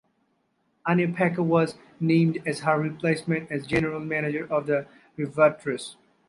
Anya Packer was named as her replacement as general manager of the Riveters.